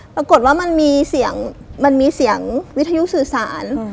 ปรากฏว่ามันมีเสียงมันมีเสียงวิทยุสื่อสาร